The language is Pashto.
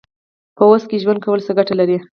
په اوس کې ژوند کول څه ګټه لري؟